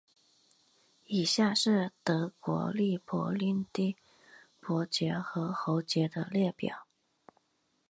以下是德国利珀领地伯爵和侯爵的列表。